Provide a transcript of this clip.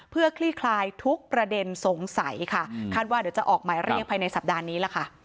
เพื่อคลี่คลายทุกประเด็นสงสัยค่ะคาดว่าเดี๋ยวจะออกหมายเรียกภายในสัปดาห์นี้ล่ะค่ะ